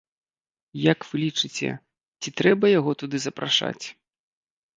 Як вы лічыце, ці трэба яго туды запрашаць?